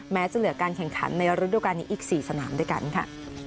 จะเหลือการแข่งขันในฤดูการนี้อีก๔สนามด้วยกันค่ะ